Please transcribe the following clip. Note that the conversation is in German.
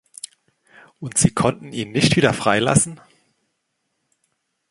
Und Sie konnten ihn nicht wieder freilassen?